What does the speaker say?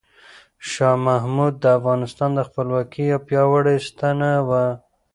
شاه محمود د افغانستان د خپلواکۍ یو پیاوړی ستنه وه.